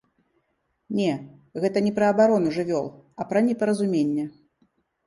Не, гэта не пра абарону жывёл, а пра непаразуменне.